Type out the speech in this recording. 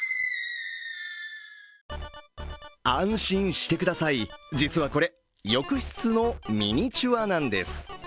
安心してください、実はこれ、浴室のミニチュアなんです。